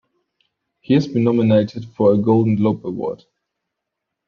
He has been nominated for a Golden Globe Award.